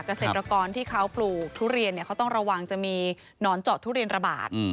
เกษตรกรที่เขาปลูกทุเรียนเขาต้องระวังจะมีหนอนเจาะทุเรียนระบาด